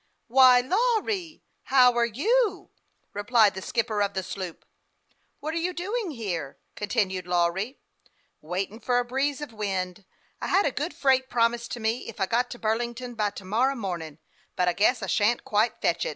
" Why, Lawry ! How are you ?" replied the skip per of the sloop. " What are you doing here ?" continued Lawry, as the captain stepped on board. " Waitin' for a breeze of wind. I had a good freight promised to me if I got to Burlington by to morrow mornin', but I guess I shan't quite fetch it."